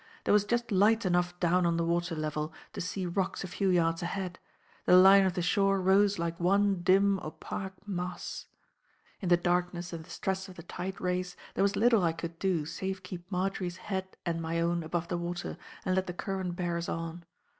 There was just light enough down on the water level to see rocks a few yards ahead; the line of the shore rose like one dim opaque mass. In the darkness and the stress of the tide race there was little I could do, save keep Marjory's head and my own above the water and let the current bear us on.